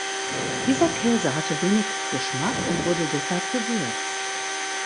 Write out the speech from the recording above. Dieser Käse hatte wenig Geschmack und wurde deshalb gewürzt.